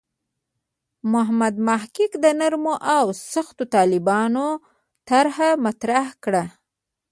محمد محق د نرمو او سختو طالبانو طرح مطرح کړه.